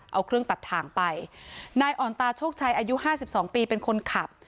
เอาเครื่องตัดถ่างไปนายอ่อนตาโชคชัยอายุห้าสิบสองปีเป็นคนขับ